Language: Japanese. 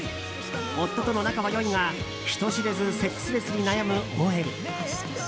夫との仲は良いが人知れずセックスレスに悩むＯＬ。